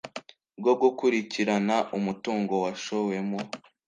bwo gukurikirana umutungo washowemo